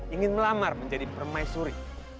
ingin melamar menjadi permaisuri